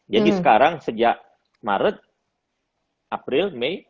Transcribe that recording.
jadi sekarang sejak maret april mei